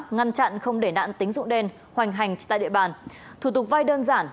ngăn chặn không để nạn tính dụng đen hoành hành tại địa bàn thủ tục vay đơn giản